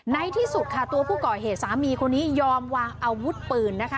ในที่สุดค่ะตัวผู้ก่อเหตุสามีคนนี้ยอมวางอาวุธปืนนะคะ